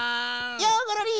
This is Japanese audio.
ようゴロリ！